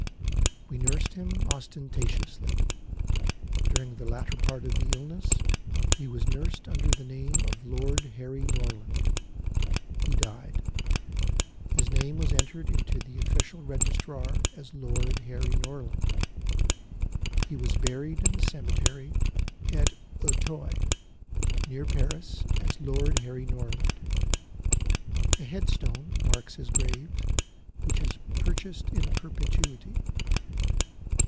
We nursed him ostentatiously. During the latter part of the illness he was nursed under the name of Lord Harry Norland. He died. His name was entered in the official register as Lord Harry Norland. He was buried in the cemetery at Auteuil, near Paris, as Lord Harry Norland. A headstone marks his grave, which is purchased in perpetuity.